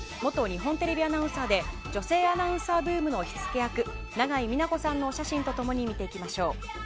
日本テレビアナウンサーで女性アナウンサーブームの火付け役永井美奈子さんのお写真と共に見ていきましょう。